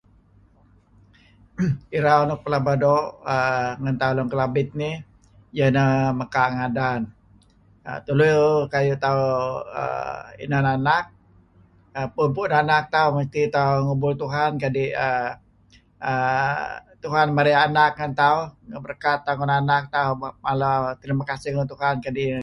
Irau tauh nuk pelaba doo' ngen tauh Lun Kelabit nih iah ineh mekaa' ngadan. Tulu kayu' tauh uhm inan anak puun-puun tauh ngubur Tuhan kadi' uhm Tuhan marey anak ngen tauh nuk berkat tauh ngen anak mikat tauh mala trima kasih ngen Tuhan.